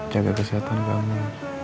jaga kesehatan kamu